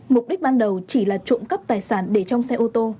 mục đích ban đầu chỉ là trộm cắp tài sản để trong xe ô tô